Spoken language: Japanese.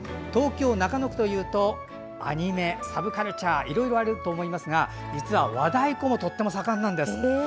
東京都中野区というとアニメ、サブカルチャーいろいろあると思いますが実は和太鼓もとっても盛んなんです。